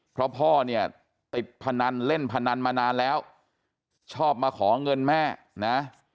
เพราะพ่อเนี่ยติดพนันเล่นพนันมานานแล้วชอบมาขอเงินแม่นะ